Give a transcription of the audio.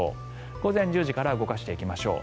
午前１０時から動かしていきましょう。